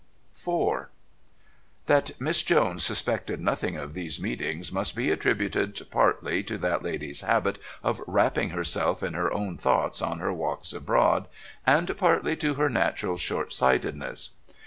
IV That Miss Jones suspected nothing of these meetings must be attributed partly to that lady's habit of wrapping herself in her own thoughts on her walks abroad, and partly to her natural short sightedness.